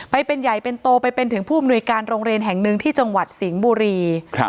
ไปเป็นใหญ่เป็นโตไปเป็นถึงผู้อำนวยการโรงเรียนแห่งหนึ่งที่จังหวัดสิงห์บุรี